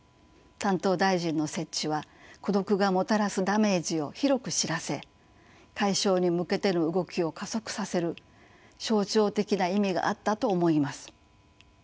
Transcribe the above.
担当大臣の設置は孤独がもたらすダメージを広く知らせ解消に向けての動きを加速させる象徴的な意味があったと思います。